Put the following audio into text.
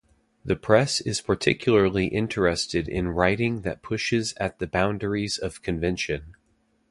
The press is particularly interested in writing that pushes at the boundaries of convention.